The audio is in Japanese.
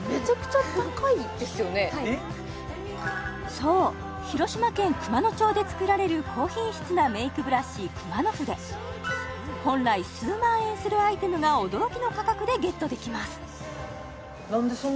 はいそう広島県熊野町で作られる高品質なメイクブラシ熊野筆本来数万円するアイテムが驚きの価格でゲットできます